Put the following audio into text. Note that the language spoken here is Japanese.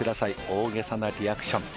大げさなリアクション